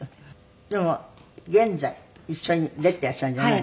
でも現在一緒に出ていらっしゃるんじゃないの？